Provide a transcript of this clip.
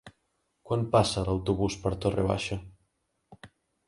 Quan passa l'autobús per Torre Baixa?